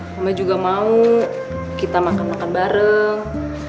mama juga mau kita makan makan bareng